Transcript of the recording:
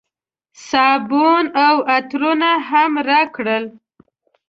صابون او عطرونه هم راکړل.